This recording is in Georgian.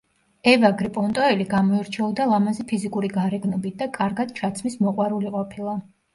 ევაგრე პონტოელი გამოირჩეოდა ლამაზი ფიზიკური გარეგნობით და კარგად ჩაცმის მოყვარული ყოფილა.